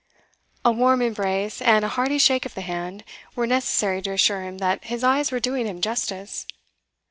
A warm embrace, and a hearty shake of the hand, were necessary to assure him that his eyes were doing him justice.